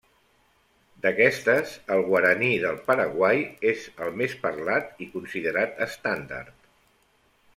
D'aquestes, el guaraní del Paraguai és el més parlat i considerat estàndard.